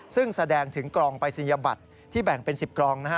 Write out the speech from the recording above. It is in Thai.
ซึ่งแสดงถึงกลองประสิทธิบัติที่แบ่งเป็นสิบกลองนะฮะ